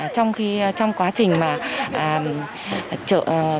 trong quá trình chở